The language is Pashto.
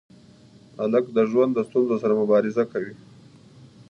هلک د ژوند ستونزو سره مبارزه کوي.